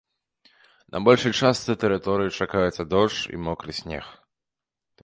На большай частцы тэрыторыі чакаюцца дождж і мокры снег.